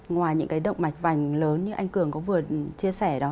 ngoài những cái động mạch vành lớn như anh cường có vừa chia sẻ đó